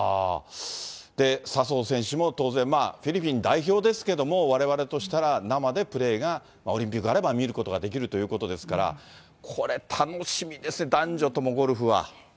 笹生選手も当然フィリピン代表ですけども、われわれとしたら、生でプレーがオリンピックがあれば見ることができるということですから、これ、楽しみですね、男女ともゴルフは。